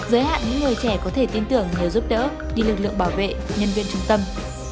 giới hạn những người trẻ có thể tin tưởng nhờ giúp đỡ đi lực lượng bảo vệ nhân viên trung tâm